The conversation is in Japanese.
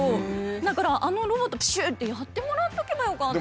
だからあのロボットプシュッてやってもらっとけばよかった。